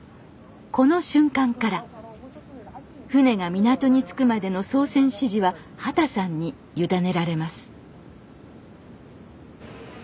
この瞬間から船が港に着くまでの操船指示は畑さんに委ねられます